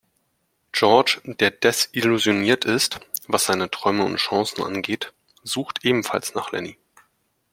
George, der desillusioniert ist, was seine Träume und Chancen angeht, sucht ebenfalls nach Lennie.